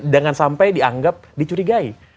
jangan sampai dianggap dicurigai